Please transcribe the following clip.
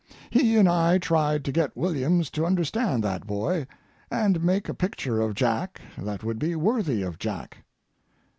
He and I tried to get Williams to understand that boy, and make a picture of Jack that would be worthy of Jack.